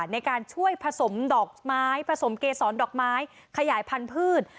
ในการช่วยผสมดอกไม้ผสมเกษรดอกไม้ขยายพันธุ์พืช